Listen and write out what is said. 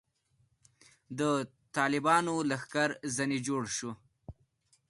د طالبانو لښکر ځنې جوړ شو.